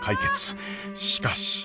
しかし。